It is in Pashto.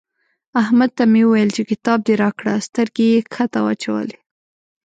احمد ته مې وويل چې کتاب دې راکړه؛ سترګې يې کښته واچولې.